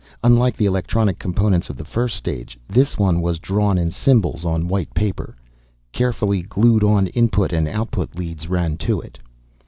Unlike the electronic components of the first stage, this one was drawn in symbols on white paper. Carefully glued on input and output leads ran to it.